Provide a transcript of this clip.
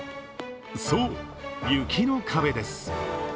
そう、雪の壁です。